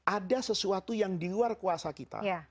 ada sesuatu yang di luar kuasa kita